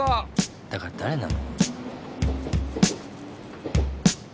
だからだれなの？